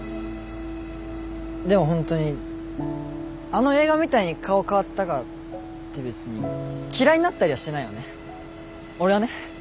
でもほんとにあの映画みたいに顔変わったからって別に嫌いになったりはしないよね俺はね。